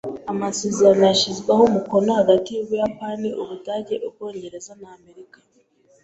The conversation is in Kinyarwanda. Amasezerano yashyizweho umukono hagati yUbuyapani, Ubudage, Ubwongereza n’Amerika.